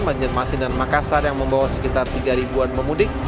banjarmasin dan makassar yang membawa sekitar tiga ribuan pemudik